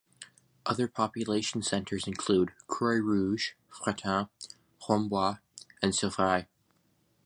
Other population centers include: Croix Rouge, Fratin, Huombois, and Sivry.